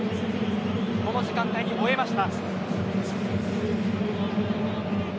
この時間に終えました。